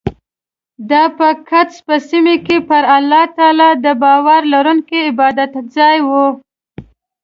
دا په قدس په سیمه کې پر الله تعالی د باور لرونکو عبادتځای و.